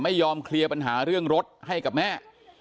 ไม่ยอมเคลียร์ปัญหาเรื่องรถให้กับแม่